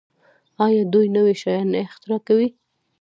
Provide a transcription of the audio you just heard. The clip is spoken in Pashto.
آیا دوی نوي شیان نه اختراع کوي؟